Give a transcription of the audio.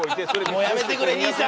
もうやめてくれ兄さん。